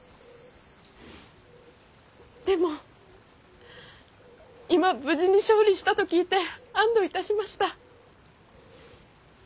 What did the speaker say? でも今無事に勝利したと聞いて安堵いたしました。